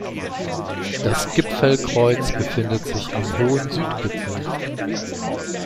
Das Gipfelkreuz befindet sich am hohen Südgipfel.